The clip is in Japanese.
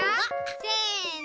せの！